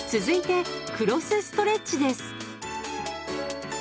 続いて「クロスストレッチ」です。